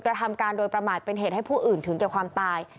กระทำการโดยประมาทเป็นเหตุให้ผู้อื่นถึงแก่ความตาย